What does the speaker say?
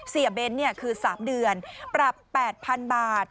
เบ้นคือ๓เดือนปรับ๘๐๐๐บาท